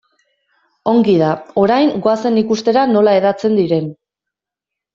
Ongi da, orain goazen ikustera nola hedatzen diren.